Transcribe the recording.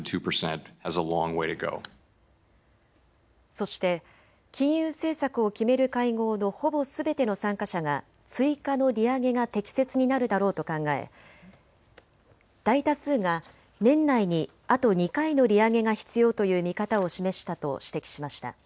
そして金融政策を決める会合のほぼすべての参加者が追加の利上げが適切になるだろうと考え大多数が年内にあと２回の利上げが必要という見方を示したと指摘しました。